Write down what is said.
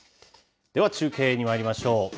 では中継にまいりましょう。